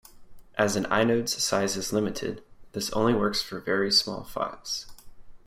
As an inode's size is limited, this only works for very small files.